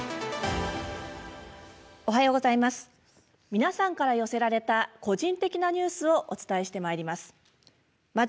皆さんから寄せられた個人的なニュースをお伝えしてまいります。